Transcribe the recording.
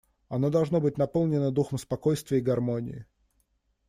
Оно должно быть наполнено духом спокойствия и гармонии.